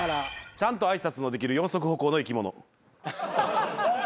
ちゃんと挨拶のできる四足歩行の生き物。